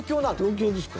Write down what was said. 東京ですか？